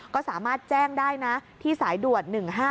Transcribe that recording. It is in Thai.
ก็สามารถแจ้งได้นะที่สายด่วน๑๕๗